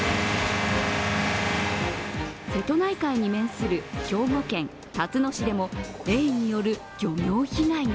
瀬戸内海に面する兵庫県たつの市でもエイによる漁業被害が